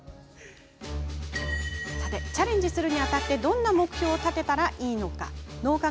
チャレンジするにあたってどんな目標を立てたらいいのでしょうか。